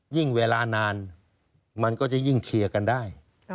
เวลานานมันก็จะยิ่งเคลียร์กันได้